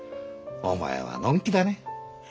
お前はのんきだね。